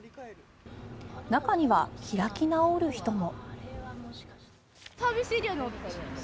中には、開き直る人も。